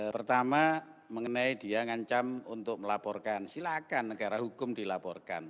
pertama mengenai dia ngancam untuk melaporkan silakan negara hukum dilaporkan